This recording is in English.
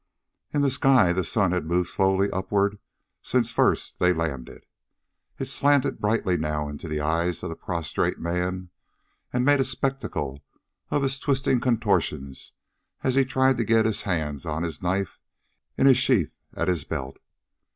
In the sky the sun had moved slowly upward since first they landed. It slanted brightly now into the eyes of the prostrate man and made a spectacle of his twisting contortions as he tried to get his hands on his knife in its sheath at his belt.